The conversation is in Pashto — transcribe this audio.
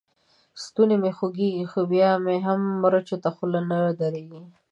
ستونی مې خوږېږي؛ خو بيا مې هم مرچو ته خوله نه درېږي.